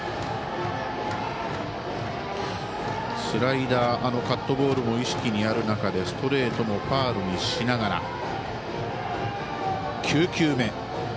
スライダー、カットボールも意識にある中でストレートもファウルにしながら。